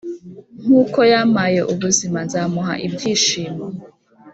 nkuko yampaye ubuzima nzamuha ibyishimo...